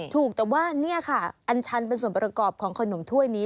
ถูกแต่ว่านี่ค่ะอันชันเป็นส่วนประกอบของขนมถ้วยนี้